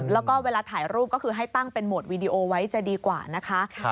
แล้วก็เวลาถ่ายรูปก็คือให้ตั้งเป็นโหมดวีดีโอไว้จะดีกว่านะคะ